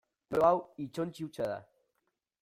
Loro hau hitzontzi hutsa da.